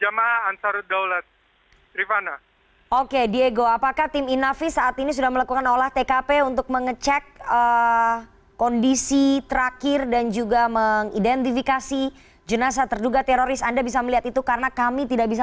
memang berdasarkan video yang kami terima oleh pihak wartawan tadi sebelum kami tiba di tempat kejadian ini memang ada seorang terduga teroris yang berhasil masuk ke dalam kompleks